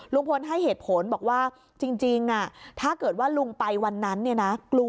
ลุงพลให้เหตุผลบอกว่าจริงถ้าเกิดว่าลุงไปวันนั้นเนี่ยนะ